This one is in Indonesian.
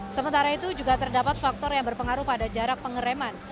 sementara itu juga terdapat faktor yang berpengaruh pada jarak pengereman